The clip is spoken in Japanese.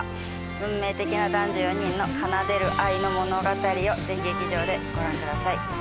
運命的な男女４人の奏でる愛の物語をぜひ劇場でご覧ください